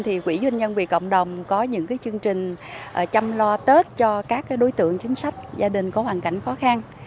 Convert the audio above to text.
thì quỹ doanh nhân vì cộng đồng có những chương trình chăm lo tết cho các đối tượng chính sách gia đình có hoàn cảnh khó khăn